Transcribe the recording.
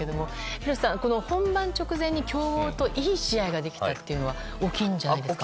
廣瀬さん、本番直前に強豪といい試合ができたというのは大きいじゃないんですか。